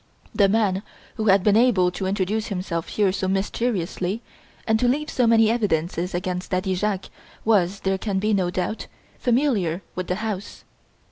The man who had been able to introduce himself here so mysteriously and to leave so many evidences against Daddy Jacques, was, there can be no doubt, familiar with the house.